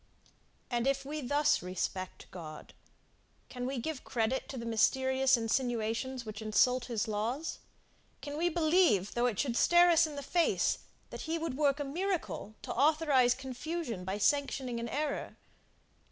And, if thus we respect God, can we give credit to the mysterious insinuations which insult his laws? Can we believe, though it should stare us in the face, that he would work a miracle to authorize confusion by sanctioning an error?